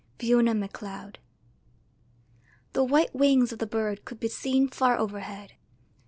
FIONA MACLEOD. The white wings of the bird could be seen far overhead.